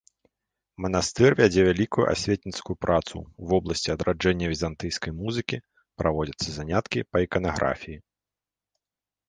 Манастыр вядзе вялікую асветніцкую працу ў вобласці адраджэння візантыйскай музыкі, праводзіць заняткі па іканаграфіі.